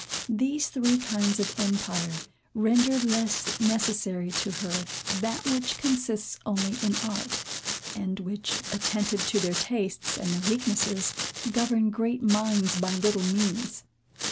These three kinds of empire rendered less necessary to her that which consists only in art; and which, attentive to their tastes and their weaknesses, govern great minds by little means.